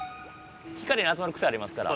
光に集まるクセありますから。